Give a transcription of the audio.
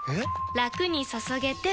ラクに注げてペコ！